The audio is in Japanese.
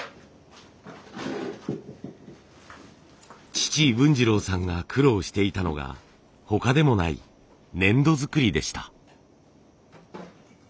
父文次郎さんが苦労していたのが他でもない粘土作りでした。